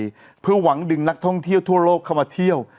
เพื่อหวังดึงนักท่องเที่ยวทั่วโลกเข้ามาเที่ยว